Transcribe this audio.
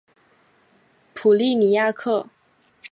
普利尼亚克。